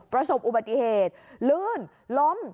ประสบอุบัติเหตุลื่นล้ม